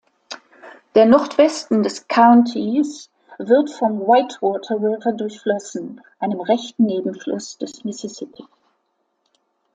Der Nordwesten des Countys wird vom Whitewater River durchflossen, einem rechten Nebenfluss des Mississippi.